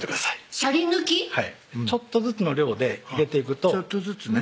ちょっとずつの量で入れていくとちょっとずつね